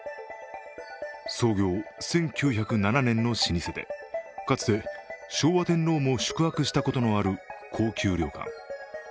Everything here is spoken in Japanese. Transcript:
創業１９０７年の老舗でかつて昭和天皇も宿泊したことのある高級旅館。